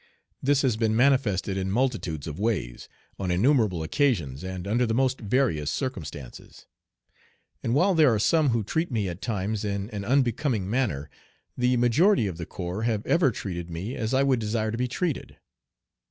This has been manifested in multitudes of ways, on innumerably occasions, and under the most various circumstances. And while there are some who treat me at times in an unbecoming manner, the majority of the corps have ever treated me as I would desire to be treated.